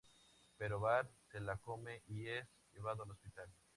Pero Bart se la come y es llevado al hospital.